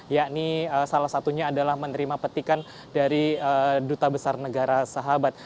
yakni salah satunya adalah menerima petikan dari duta besar negara sahabat